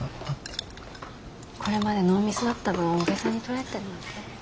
これまでノーミスだった分大げさに捉えてるのね。